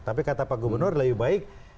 tapi kata pak gubernur lebih baik